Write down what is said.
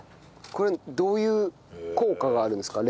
これどういう効果があるんですか？